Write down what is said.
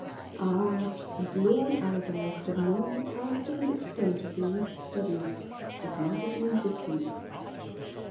Ah! if Lord Allerdale could have known the character and extent of the youth's studies, it might have been different!